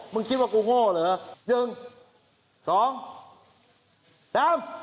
มึงคิดว่ากูโง่เหรอ